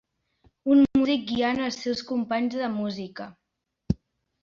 Un músic guiant els seus companys de música.